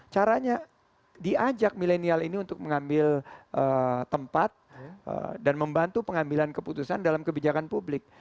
caranya diajak milenial ini untuk mengambil tempat dan membantu pengambilan keputusan dalam kebijakan publik